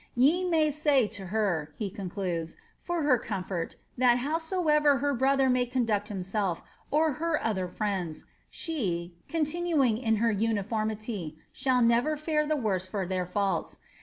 ^ Ye may say to her," he concludes, ^ for her comfort, that howsoenr her brother may conduct himself, or her other friends, she (coDtinniiif in her uniformity) shall ncTcr hre the worse for their fiiults.